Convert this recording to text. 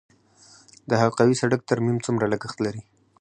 د حلقوي سړک ترمیم څومره لګښت لري؟